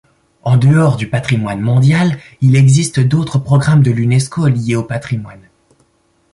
En dehors du patrimoine mondial, il existe d'autres programmes de l'Unesco liés au patrimoine.